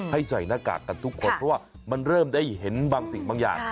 ใส่หน้ากากกันทุกคนเพราะว่ามันเริ่มได้เห็นบางสิ่งบางอย่าง